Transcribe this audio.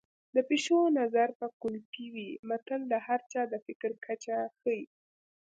د پيشو نظر به کولپۍ وي متل د هر چا د فکر کچه ښيي